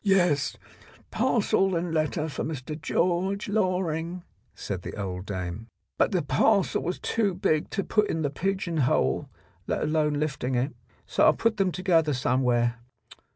... "Yes, parcel and letter for Mr. George Loring," said the old dame, "but the parcel was too big to put in the pigeon hole, let alone lifting it. So I put them together somewhere.